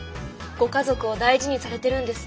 ご家族を大事にされてるんですね。